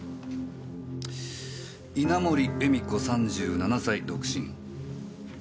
「稲盛絵美子３７歳独身」。